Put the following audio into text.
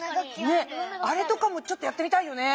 あれとかもやってみたいよね。